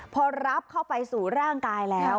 พอรับเข้าไปสู่ร่างกายแล้ว